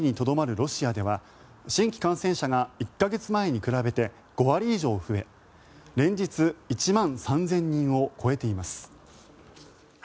ロシアでは新規感染者が１か月前に比べて５割以上増え連日、１万３０００人を超えています。